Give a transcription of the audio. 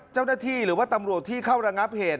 เจ้าหน้าที่หรือว่าตำรวจที่เข้าระงับเหตุ